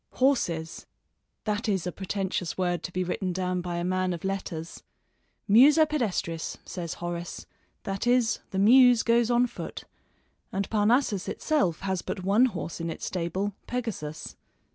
Horses! That is a pretentious word to be written down by a man of letters! Musa pedestris, says Horace; that is, the Muse goes on foot, and Parnassus itself has but one horse in its stable, Pegasus.